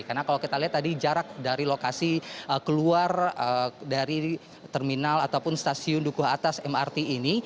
karena kalau kita lihat tadi jarak dari lokasi keluar dari terminal ataupun stasiun dukuh atas mrt ini